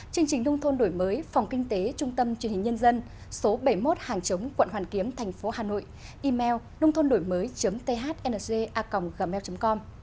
chương trình nông thôn đổi mới phòng kinh tế trung tâm chuyên hình nhân dân số bảy mươi một hàng chống quận hoàn kiếm thành phố hà nội email nôngthonđổimới thnza gmail com